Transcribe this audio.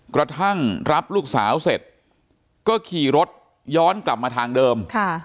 กระทั่งรับลูกสาวเสร็จก็ขี่รถย้อนกลับมาทางเดิม